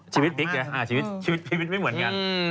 ชีวิตบิ๊กเลยชีวิตไม่เหมือนกัน